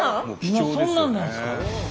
今そんなんなんですか？